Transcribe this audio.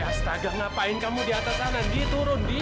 astaga ngapain kamu di atas sana indi turun indi